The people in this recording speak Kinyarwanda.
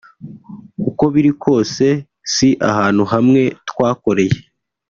uko biri kose si ahantu hamwe twakoreye